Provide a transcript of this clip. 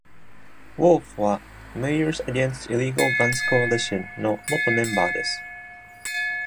Wolf は、Mayors Against Illegal Guns Coalition の元メンバーです。